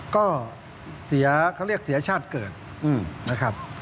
ก็เสียเขาเรียกเสียชาติเกิดนะครับ